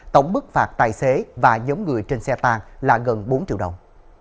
tổng bức phạt tài xế và giống người trên xe tan là gần bốn triệu đồng